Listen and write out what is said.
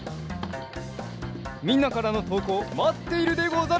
みんなからのとうこうまっているでござる。